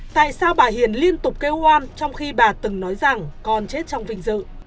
tại sao bà hiền liên tục kêu oan trong khi bà từng nói rằng con chết trong vinh dự